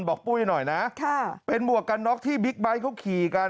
ปุ้ยหน่อยนะเป็นหมวกกันน็อกที่บิ๊กไบท์เขาขี่กัน